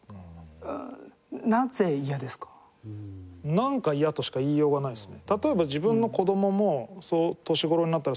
「なんか嫌」としか言いようがないですね。